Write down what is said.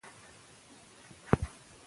غیر انتفاعي ادارې د زاړه کلتورونو ساتنه کوي.